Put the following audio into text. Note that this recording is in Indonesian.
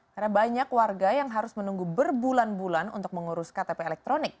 karena banyak warga yang harus menunggu berbulan bulan untuk mengurus ktp elektronik